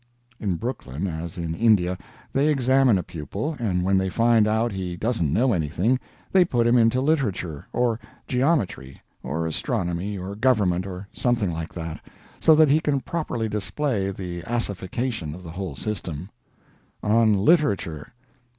In Brooklyn, as in India, they examine a pupil, and when they find out he doesn't know anything, they put him into literature, or geometry, or astronomy, or government, or something like that, so that he can properly display the assification of the whole system "ON LITERATURE.